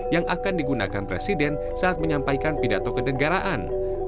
yang akan digunakan presiden saat menyampaikan pidato kenegaraan